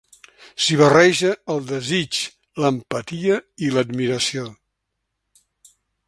S'hi barreja el desig, l'empatia i l'admiració.